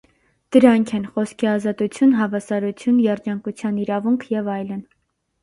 Դրանք են՝ խոսքի ազատություն, հավասարություն, երջանկության իրավունք և այլն։